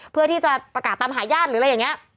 เพื่อที่จะประกาศตามหาญาติหรืออะไรอย่างนี้